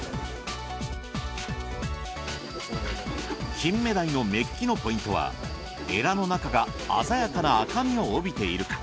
金目鯛の目利きのポイントはエラの中が鮮やかな赤みを帯びているか。